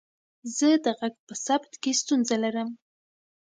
زه د غږ په ثبت کې ستونزه لرم.